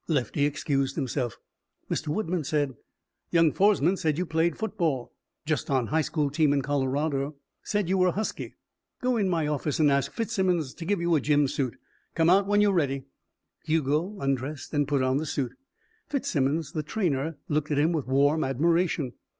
Lefty excused himself. Mr. Woodman said: "Young Foresman said you played football." "Just on a high school team in Colorado." "Said you were husky. Go in my office and ask Fitzsimmons to give you a gym suit. Come out when you're ready." Hugo undressed and put on the suit. Fitzsimmons, the trainer, looked at him with warm admiration.